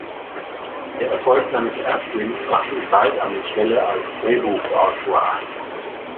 Der Erfolg seines Erstlings brachte ihm bald eine Stelle als Drehbuchautor ein.